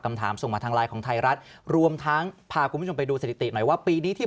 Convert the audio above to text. ส่งมาทางไลน์ของไทยรัฐรวมทั้งพาคุณผู้ชมไปดูสถิติหน่อยว่าปีนี้ที่